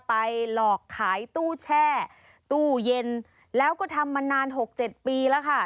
หลอกขายตู้แช่ตู้เย็นแล้วก็ทำมานานหกเจ็ดปีแล้วค่ะ